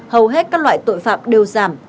hầu hết các loại tội phạm đều giảm